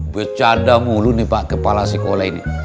bercanda mulu nih pak kepala sekolah ini